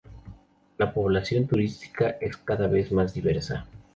La población turística es cada vez más diversa.